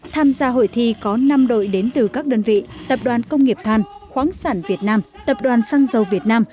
tham gia hội thi có năm đội đến từ các đơn vị tập đoàn công nghiệp than khoáng sản việt nam tập đoàn xăng dầu việt nam